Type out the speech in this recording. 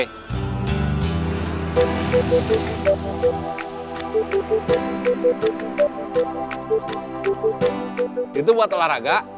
itu buat olahraga